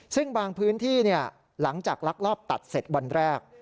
ซึ่งบางพื้นที่หลังจากลักลอบตัดเสร็จวันแรก